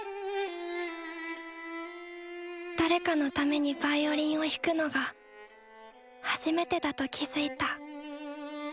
誰かのためにヴァイオリンを弾くのが初めてだと気付いた。